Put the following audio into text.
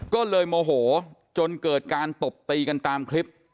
ก็เลยโมโหจนเกิดการตบตีกันตามคลิป